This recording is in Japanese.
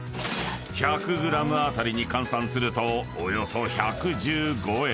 ［１００ｇ当たりに換算するとおよそ１１５円］